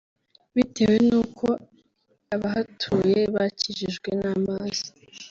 bitewe n’uko abahatuye bakikijwe n’amazi